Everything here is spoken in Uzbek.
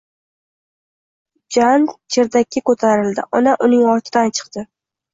Jan cherdakka ko`tarildi; ona uning ortidan chiqdi